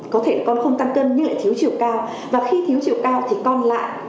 có thể con không tăng cân nhưng lại thiếu chiều cao và khi thiếu chiều cao thì con lại